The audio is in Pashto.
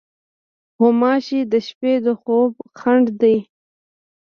غوماشې د شپې د خوبو خنډ دي.